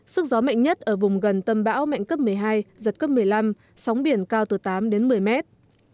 sức gió mạnh nhất ở vùng gần tâm bão mạnh cấp một mươi hai giật cấp một mươi năm sóng biển cao từ tám đến một mươi mét